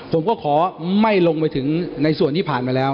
ผมก็ขอไม่ลงไปถึงในส่วนที่ผ่านมาแล้ว